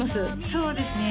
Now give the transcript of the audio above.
そうですね